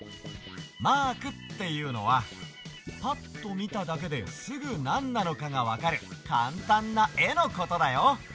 マークっていうのはパッとみただけですぐなんなのかがわかるカンタンなえのことだよ！